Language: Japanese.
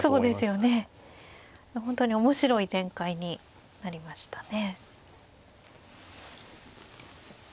本当に面白い展開になりましたね。